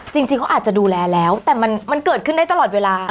จริงเขาอาจจะดูแลแล้วแต่มันเกิดขึ้นได้ตลอดเวลา